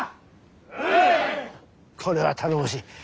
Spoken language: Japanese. へい！これは頼もしい。